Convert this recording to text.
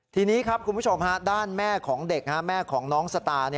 ทีนี้ครับคุณผู้ชมด้านแม่ของเด็กแม่ของน้องสตาร์